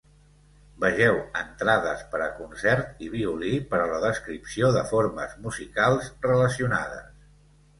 Vegeu entrades per a concert i violí per a la descripció de formes musicals relacionades.